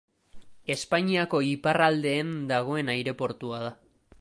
Espainiako iparraldeen dagoen aireportua da.